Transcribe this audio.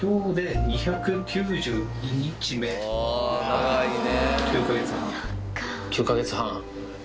長いね。